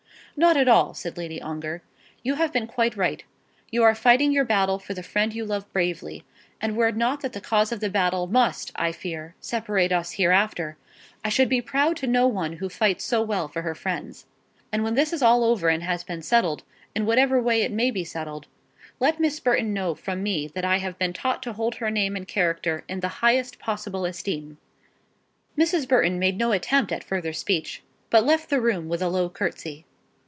"Not at all," said Lady Ongar. "You have been quite right; you are fighting your battle for the friend you love bravely; and were it not that the cause of the battle must, I fear, separate us hereafter, I should be proud to know one who fights so well for her friends. And when all this is over and has been settled, in whatever way it may be settled, let Miss Burton know from me that I have been taught to hold her name and character in the highest possible esteem." Mrs. Burton made no attempt at further speech, but left the room with a low curtsey.